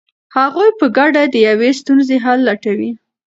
هغوی په ګډه د یوې ستونزې حل لټوي.